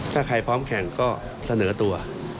ถ้าใครพร้อมแข่งก็เสนอตัว